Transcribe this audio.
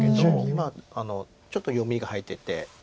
まあちょっと読みが入ってて。